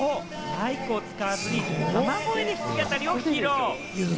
マイクを使わずに生声で弾き語りを披露。